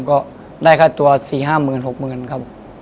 ก็ได้ค่าตัว๔๕หมื่น๖หมื่นครับ